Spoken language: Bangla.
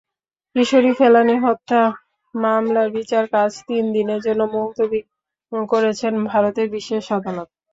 কিশোরী ফেলানী হত্যা মামলার বিচারকাজ তিন দিনের জন্য মুলতবি করেছেন ভারতের বিশেষ আদালত।